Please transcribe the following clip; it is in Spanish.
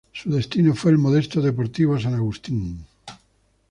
Su destino fue el modesto Deportivo San Agustín.